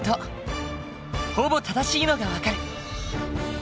ほぼ正しいのが分かる。